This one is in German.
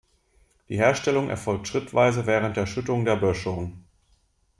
Die Herstellung erfolgt schrittweise während der Schüttung der Böschung.